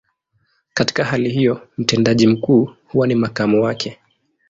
Katika hali hiyo, mtendaji mkuu huwa ni makamu wake.